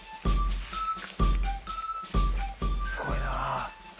すごいな。